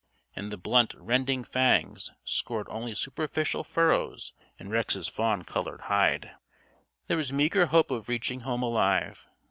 And the blunt "rending fangs" scored only superficial furrows in Rex's fawn colored hide. There was meager hope of reaching home alive.